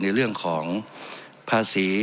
ในเรื่องของภาษี